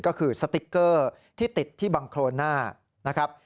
ก็คือสติ๊กเกอร์ที่ติดที่บังโครน่านะครับ